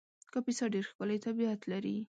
کاپیسا ډېر ښکلی طبیعت لري